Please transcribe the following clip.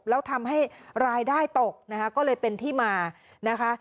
แล้วทำให้รายได้ตกนะคะก็เลยเป็นที่มานะคะ